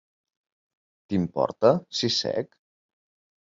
T'importa si sec?